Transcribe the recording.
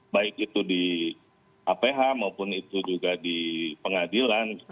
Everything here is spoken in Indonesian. baik itu di aph maupun itu juga di pengadilan